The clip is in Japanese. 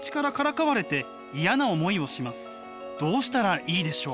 「どうしたらいいでしょう？」。